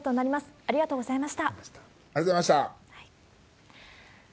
ありがとうございます。